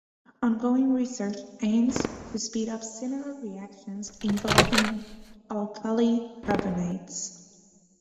Ongoing research aims to speed up similar reactions involving alkali carbonates.